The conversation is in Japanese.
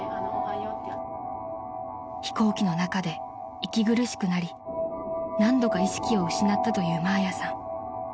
［飛行機の中で息苦しくなり何度か意識を失ったというマーヤさん］